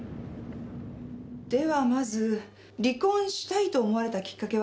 ではまず離婚したいと思われたきっかけは？